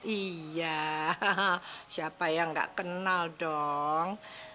iya siapa yang gak kenal dong